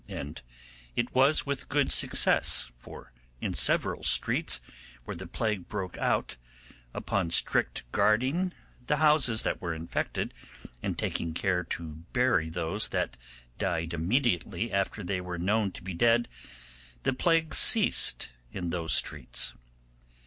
and it was with good success; for in several streets where the plague broke out, upon strict guarding the houses that were infected, and taking care to bury those that died immediately after they were known to be dead, the plague ceased in those streets.